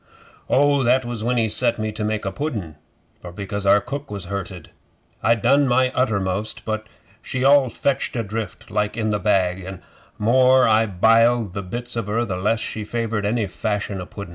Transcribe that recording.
'Oh, that was when he set me to make a pudden, for because our cook was hurted. I done my uttermost, but she all fetched adrift like in the bag, an' the more I biled the bits of her, the less she favoured any fashion o' pudden.